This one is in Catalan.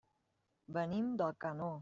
Venim d'Alcanó.